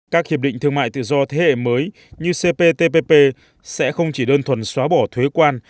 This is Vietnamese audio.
các hiệp định thương mại tự do thế hệ mới như cptpp sẽ không chỉ đơn thuần xóa bỏ thuế quan